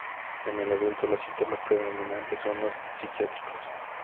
En el adulto los síntomas predominantes son los psiquiátricos.